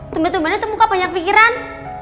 tungguan tungguannya tuh muka banyak pikiran